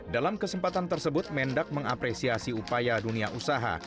dalam kesempatan tersebut mendak mengapresiasi upaya dunia usaha